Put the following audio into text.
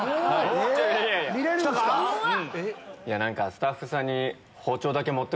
スタッフさんに。